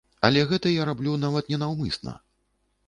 Але гэта я раблю нават не наўмысна.